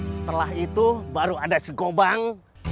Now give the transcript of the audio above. setelah itu baru ada segobang